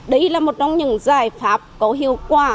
đây là một trong những giải pháp có hiệu quả